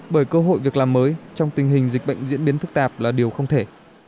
bởi cơ hội việc làm mới trong tình hình dịch bệnh diễn biến phức tạp là điều không thể